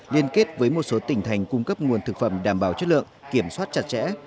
liên kết với một số tỉnh thành cung cấp nguồn thực phẩm đảm bảo chất lượng kiểm soát chặt chẽ